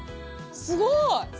すごい！